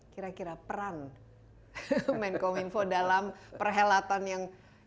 kira kira peran menko minfo dalam perhelatan yang internasional